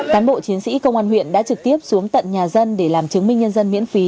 cán bộ chiến sĩ công an huyện đã trực tiếp xuống tận nhà dân để làm chứng minh nhân dân miễn phí